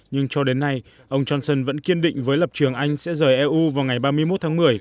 nhưng cho đến nay ông johnson vẫn kiên định với lập trường anh sẽ rời eu vào ngày ba mươi một tháng một mươi